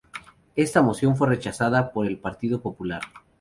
Esta moción fue rechazada por el Partido Popular.